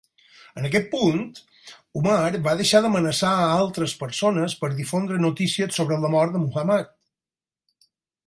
En aquest punt, Umar va deixar d"amenaçar a altres persones per difondre noticies sobre la mort de Muhammad.